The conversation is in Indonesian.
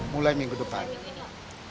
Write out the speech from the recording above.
mulai minggu depan